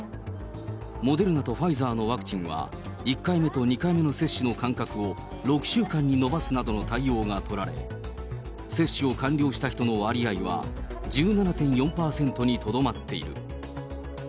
モデルナとファイザーのワクチンは、１回目と２回目の接種の間隔を６週間に延ばすなどの対応が取られ、接種を完了した人の割合は１７．４％にとどまっている。